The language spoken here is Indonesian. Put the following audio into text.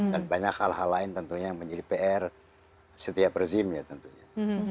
banyak hal hal lain tentunya yang menjadi pr setiap rezim ya tentunya